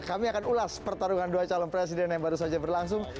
kami akan ulas pertarungan dua calon presiden yang baru saja berlangsung